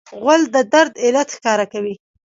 غول د درد علت ښکاره کوي.